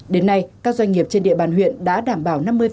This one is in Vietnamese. đến nay các doanh nghiệp trên địa bàn huyện đã đảm bảo năm mươi